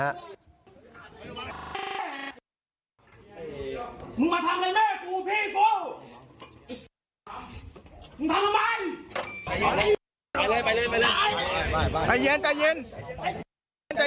มาทำเลยพี่มี่พี่